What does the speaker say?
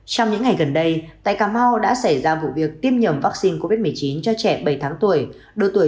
trong những ngày gần đây tại cà mau đã xảy ra vụ việc tiêm nhầm vaccine covid một mươi chín cho trẻ bảy tháng tuổi